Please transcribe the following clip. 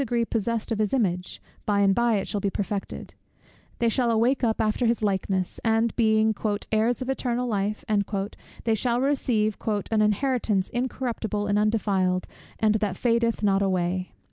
Even here they are in some degree possessed of his image, by and by it shall be perfected; they shall awake up after his "likeness," and being "heirs of eternal life," they shall receive "an inheritance incorruptible and undefiled, and that fadeth not away."